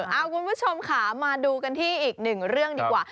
เอาคุณผู้ชมค่ะมาดูกันที่อีกหนึ่งเรื่องดีกว่า